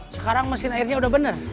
sekarang mesin airnya udah benar